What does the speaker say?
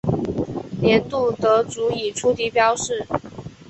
年度得主以粗体标示。